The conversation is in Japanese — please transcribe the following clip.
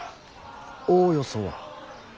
おおよそは。